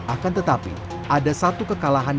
akan tetapi ada satu kekalahan